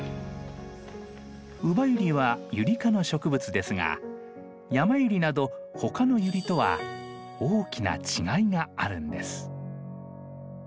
ウバユリはユリ科の植物ですがヤマユリなどほかのユリとは大きな違いがあるんです。